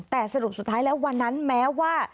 แต่สรุปสุดท้ายแล้ววันนั้นแม้ว่า